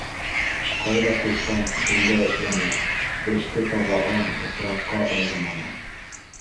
Ҡайҙа ҡушһаң, шунда эшләне, эште таҙаға-бысраҡҡа айырманы.